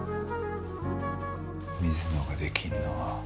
水野ができるのは。